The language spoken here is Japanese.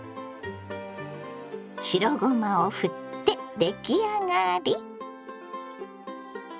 白ごまをふって出来上がり。